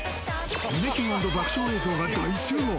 胸キュン＆爆笑映像が大集合。